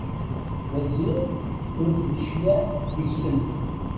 Maziɣ ur d-yecliɛ deg-sent.